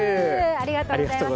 ありがとうございます。